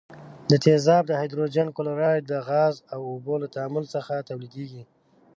دا تیزاب د هایدروجن کلوراید د غاز او اوبو له تعامل څخه تولیدیږي.